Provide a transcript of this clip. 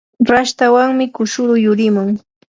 rashtawanmi kushuru yurimun.